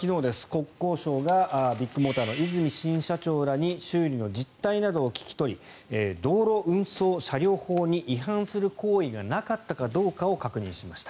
国交省がビッグモーターの和泉新社長に修理の実態などを聞き取り道路運送車両法に違反する行為がなかったかどうかを確認しました。